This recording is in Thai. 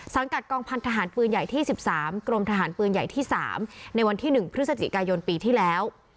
กัดกองพันธหารปืนใหญ่ที่๑๓กรมทหารปืนใหญ่ที่๓ในวันที่๑พฤศจิกายนปีที่แล้ว